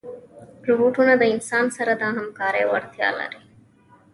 روبوټونه د انسان سره د همکارۍ وړتیا لري.